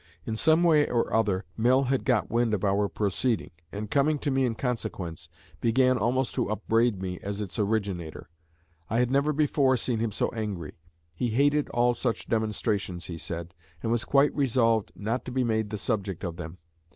In some way or other, Mill had got wind of our proceeding, and, coming to me in consequence, began almost to upbraid me as its originator. I had never before seen him so angry. He hated all such demonstrations, he said, and was quite resolved not to be made the subject of them.